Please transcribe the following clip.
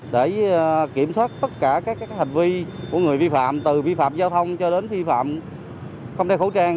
để kiểm soát tất cả các hành vi của người vi phạm từ vi phạm giao thông cho đến vi phạm không đeo khẩu trang